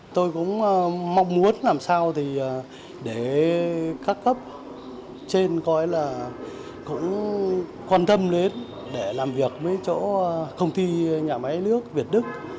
tôi cũng mong muốn làm sao để các cấp trên coi là cũng quan tâm đến để làm việc với chỗ công ty nhà máy nước việt đức